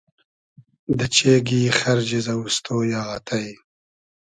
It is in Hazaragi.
دۂ چېگی خئرجی زئووستۉ یۂ آتݷ